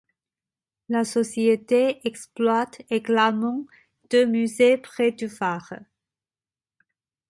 La Société exploite également deux musées près du phare.